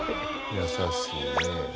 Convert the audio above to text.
優しいね。